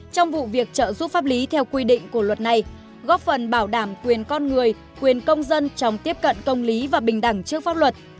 trong vụ việc trợ giúp pháp lý theo quy định của luật này góp phần bảo đảm quyền con người quyền công dân trong tiếp cận công lý và bình đẳng trước pháp luật